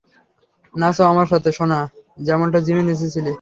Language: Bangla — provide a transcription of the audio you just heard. নাচো আমার সাথে, সোনা, যেমনটা জিমে নেচেছিলে।